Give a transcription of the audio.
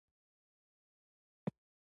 د وازدې بوی پرې ښه نه دی لګېدلی او یې ځوروي.